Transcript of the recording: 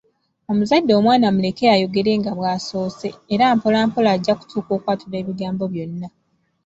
Omuzadde omwana muleke ayogere nga bw’asoose, era mpola mpola ajja kutuuka okwatula ebigambo byonna.